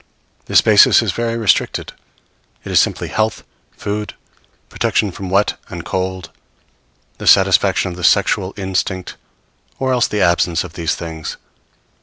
This basis is very restricted: it is simply health, food, protection from wet and cold, the satisfaction of the sexual instinct; or else the absence of these things.